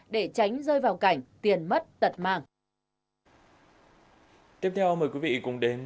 để tránh rơi vào cảnh tiền mất tật mang